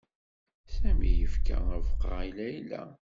Sami yefka abeqqa i Layla.